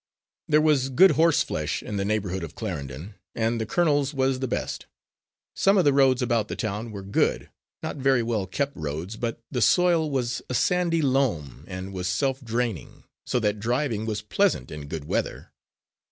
There was good horse flesh in the neighbourhood of Clarendon, and the colonel's was of the best. Some of the roads about the town were good not very well kept roads, but the soil was a sandy loam and was self draining, so that driving was pleasant in good weather.